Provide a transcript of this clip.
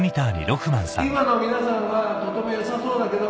今の皆さんはとてもよさそうだけど。